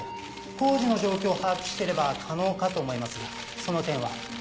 工事の状況を把握していれば可能かと思いますがその点は？